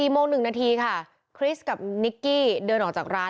โมง๑นาทีค่ะคริสกับนิกกี้เดินออกจากร้าน